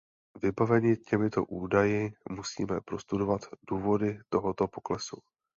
Vybaveni těmito údaji musíme prostudovat důvody tohoto poklesu.